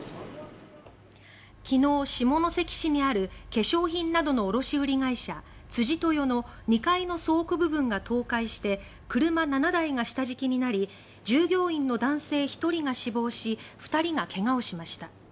昨日、下関にある化粧品などの卸売会社、辻豊の２階の倉庫部分が倒壊して車７台が下敷きになり従業員の男性１人が死亡し２人が怪我をしました。